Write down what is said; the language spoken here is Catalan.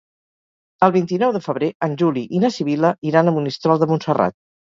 El vint-i-nou de febrer en Juli i na Sibil·la iran a Monistrol de Montserrat.